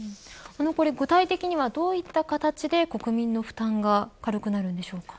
具体的にはどういった形で国民の負担が軽くなるんでしょうか。